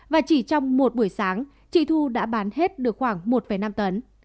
và chỉ trong một buổi sáng chị thu đã bán hết được khoảng một năm tấn